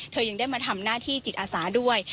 ยังได้มาทำหน้าที่จิตอาสาด้วย